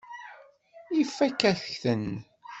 Ifakk-ak-ten.